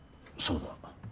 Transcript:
そうだ。